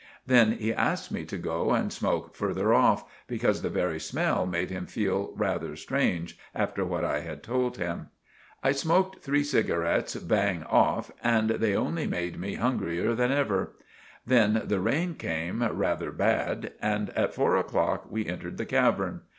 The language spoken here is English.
Then he asked me to go and smoak further off, because the very smell made him feal rather strange after what I had told him. I smoaked three cigarets bang off and they only made me hungrier than ever. Then the rain became rather bad and at four o'clock we entered the cavern.